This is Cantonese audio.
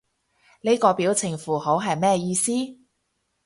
呢個表情符號係咩意思？